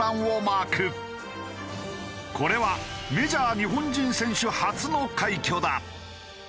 これはメジャー日本人選手初の快挙だ。